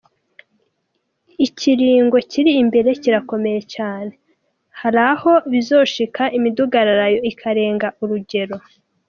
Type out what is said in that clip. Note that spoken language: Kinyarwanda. Ikiringo kiri imbere kirakomeye cane, haraho bizoshika imidurumbanyo ikarenga urugero.